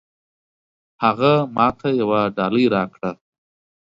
هغه ماته يوه ډالۍ راکړه.